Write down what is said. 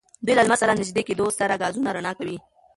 دوی له لمر سره نژدې کېدو سره ګازونه رڼا کوي.